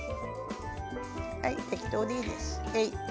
適当でいいです。